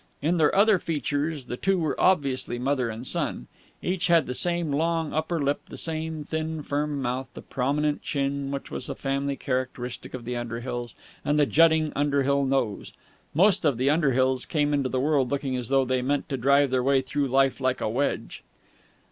In their other features the two were obviously mother and son. Each had the same long upper lip, the same thin, firm mouth, the prominent chin which was a family characteristic of the Underhills, and the jutting Underhill nose. Most of the Underhills came into the world looking as though they meant to drive their way through life like a wedge.